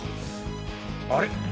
あれ？